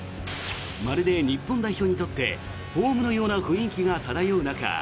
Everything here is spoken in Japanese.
まるで日本代表にとってホームのような雰囲気が漂う中